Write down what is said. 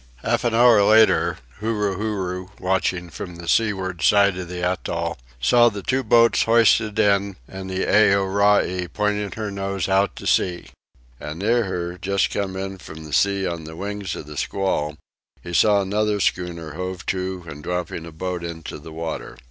Half an hour later, Huru Huru, watching from the seaward side of the atoll, saw the two boats hoisted in and the Aorai pointing her nose out to sea. And near her, just come in from the sea on the wings of the squall, he saw another schooner hove to and dropping a boat into the water.